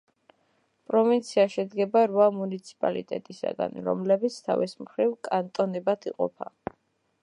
პროვინცია შედგება რვა მუნიციპალიტეტისაგან, რომლებიც თავის მხრივ კანტონებად იყოფა.